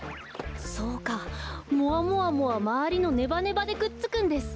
そうかもわもわもはまわりのネバネバでくっつくんです。